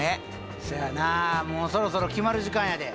そやなもうそろそろ決まる時間やで。